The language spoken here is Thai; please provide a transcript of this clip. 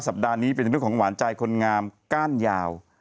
สัปดาห์นี้เป็นเรื่องของหวานใจคนงามก้านยาว